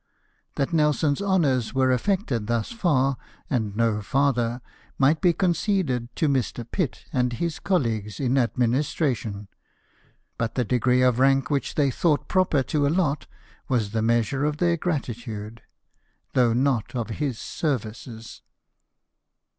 That Nelson's honours were affected thus far, and no farther, might be conceded to Mr. Pitt and his colleagues in administration ; but the degree of rank which they thought proper to allot was the measure of their gratitude,^ though not of his services.